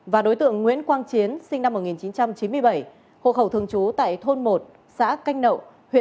và đối tượng nguyễn quang chiến sinh năm một nghìn chín trăm chín mươi bảy hộ khẩu thường trú tại thôn một xã canh nậu